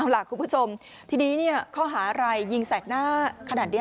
เอาล่ะคุณผู้ชมทีนี้เนี่ยข้อหารายยิงแสดหน้าขนาดนี้